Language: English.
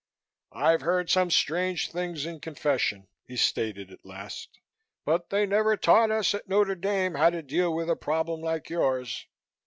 "I've heard some strange things in Confession," he stated at last, "but they never taught us at Notre Dame how to deal with a problem like yours.